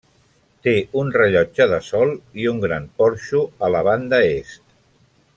Té un rellotge de sol i un gran porxo a la banda est.